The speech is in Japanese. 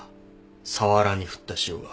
サワラに振った塩が。